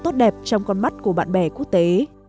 tốt đẹp trong con mắt của bạn bè quốc tế